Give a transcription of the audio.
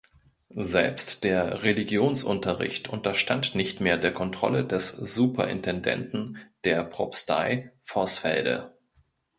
Selbst der Religionsunterricht unterstand nicht mehr der Kontrolle des Superintendenten der Propstei Vorsfelde.